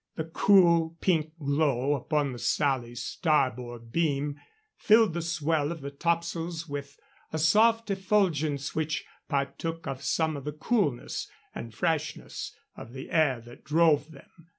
The cool, pink glow upon the Sally's starboard beam filled the swell of the top sails with a soft effulgence which partook of some of the coolness and freshness of the air that drove them.